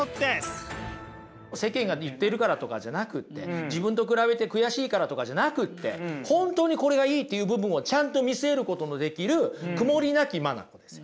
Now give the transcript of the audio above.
世間が言ってるからとかじゃなくって自分と比べて悔しいからとかじゃなくって本当にこれがいいっていう部分をちゃんと見据えることのできる曇りなき眼ですよ。